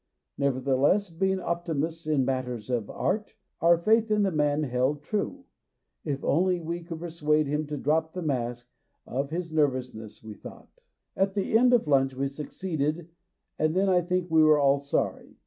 Nevertheless, being optimists in matters of art, our faith in the man held true ; if only we could persuade him to drop the mask of his nervousness we thought At the end of lunch we succeeded, and then I think we were all sorry.